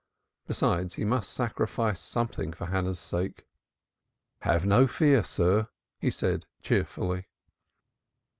Besides he must sacrifice something for Hannah's sake. "Have no fear, sir," he said cheerfully.